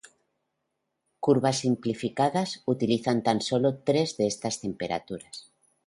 Curvas simplificadas utilizan tan sólo tres de estas temperaturas.